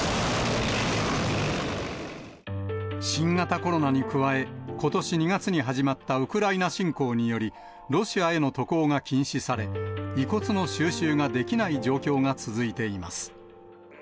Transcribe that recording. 新型コロナに加え、ことし２月に始まったウクライナ侵攻により、ロシアへの渡航が禁止され、遺骨の収集ができない状況が続いています。